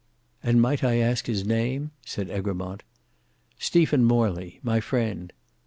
"And might I ask his name," said Egremont. "Stephen Morley, my friend."